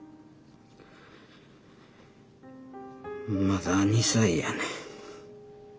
まだ２歳やねん。